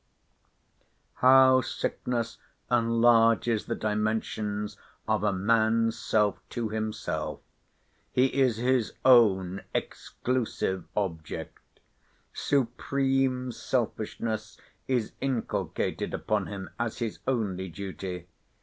How sickness enlarges the dimensions of a man's self to himself! he is his own exclusive object. Supreme selfishness is inculcated upon him as his only duty.